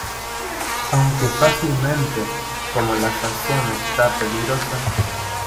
aunque fácilmente, como la sazón está peligrosa...